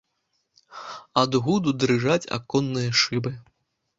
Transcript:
Ад гуду дрыжаць аконныя шыбы.